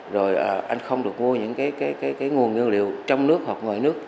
rồi anh không được mua những cái nguồn nguyên liệu trong nước hoặc ngoài nước